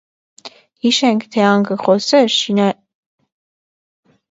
Յիշենք, թէ ան կը խօսէր շիաներուն, սուննիներուն եւ տիւրզիներուն կողմէ։